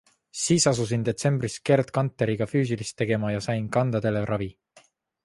Siis asusin detsembris Gerd Kanteriga füüsilist tegema ja sain kandadele ravi.